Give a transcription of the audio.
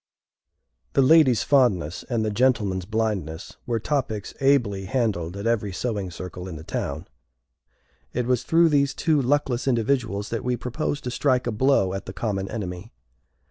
The lady's fondness, and the gentleman's blindness, were topics ably handled at every sewing circle in the town. It was through these two luckless individuals that we proposed to strike a blow at the common enemy.